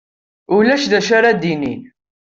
Ulac d acu ara d-inin?